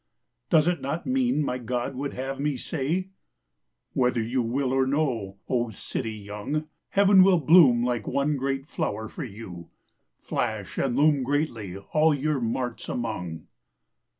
Does it not mean my God would have me say :— "Whether you will or no, 0 city young, Heaven will bloom like one great flower for you, Flash and loom greatly all your marts among"?